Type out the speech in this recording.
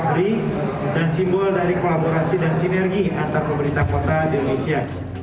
polri dan simbol dari kolaborasi dan sinergi antar pemerintah kota di indonesia